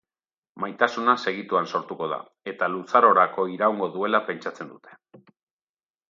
Maitasuna segituan sortuko da, eta luzarorako iraungo duela pentsatzen dute.